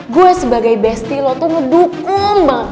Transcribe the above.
gue sebagai bestie lo tuh ngedukum banget